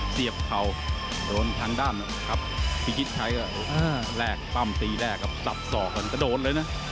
เสียบเข่าโดนทางด้านทัพพิชิตชัยแรกปั้มตีแรกครับสับสอกก่อนกระโดดเลยนะ